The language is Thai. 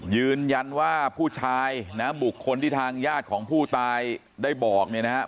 ยืนยันว่าผู้ชายนะบุคคลที่ทางญาติของผู้ตายได้บอกเนี่ยนะฮะ